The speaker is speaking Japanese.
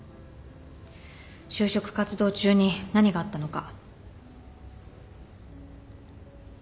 就職活動中に何があったのか。